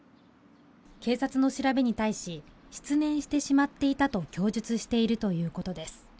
警察の調べに対し、失念してしまっていたと供述しているということです。